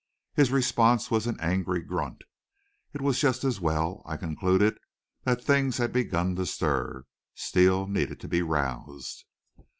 His response was an angry grunt. It was just as well, I concluded, that things had begun to stir. Steele needed to be roused.